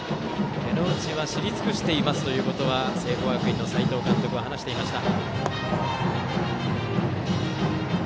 手の内は知り尽くしていますと聖光学院の斎藤監督は話していました。